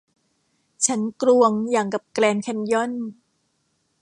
ฉันกลวงอย่างกับแกรนด์แคนยอน